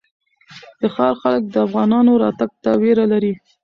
د ښار خلک د افغانانو راتګ ته وېره لري.